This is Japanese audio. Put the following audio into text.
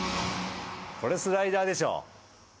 ・これスライダーでしょ